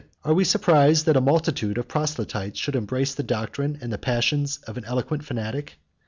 Are we surprised that a multitude of proselytes should embrace the doctrine and the passions of an eloquent fanatic?